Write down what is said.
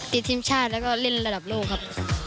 ติดทีมชาติแล้วก็เล่นระดับโลกครับ